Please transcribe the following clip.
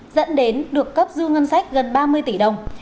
dẫn đến được cấp dư ngân sách gần ba mươi tỷ đồng